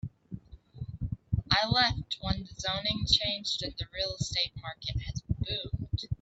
I left when the zoning changed and the real estate market has boomed.